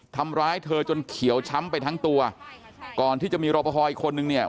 ทำร้ายเธอจนเขียวช้ำไปทั้งตัวก่อนที่จะมีรอปภอีกคนนึงเนี่ย